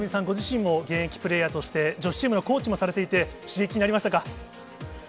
ご自身も現役プレーヤーとして、女子チームのコーチもされていて、刺激になりました